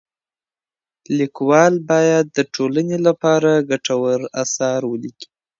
ليکوال بايد د ټولني لپاره ګټور اثار وليکي.